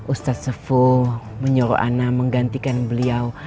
ustadz sefu menyuruh ana menggantikan beliau